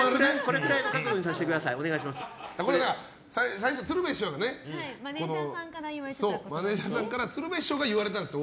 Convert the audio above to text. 最初、マネジャーさんから鶴瓶師匠が言われたんですよ。